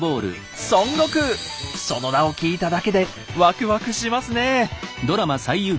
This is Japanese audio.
その名を聞いただけでワクワクしますねえ。